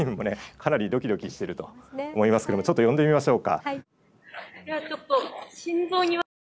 かなりドキドキしてると思いますけどもちょっと呼んでみましょうか。